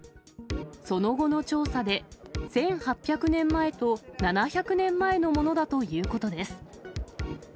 その後の調査で、１８００年前と７００年前のものだということです。